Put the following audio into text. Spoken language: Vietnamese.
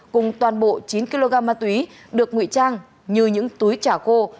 cùng toàn bộ chín kg ma túy được ngụy trang như những túi chả khô